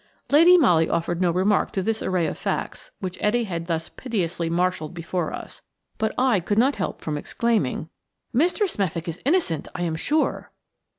Lady Molly offered no remark to this array of facts which Etty thus pitilessly marshalled before us, but I could not refrain from exclaiming: "Mr. Smethick is innocent, I am sure."